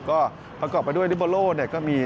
ก็ประกอบไปด้วยลิบอลโล่ก็มี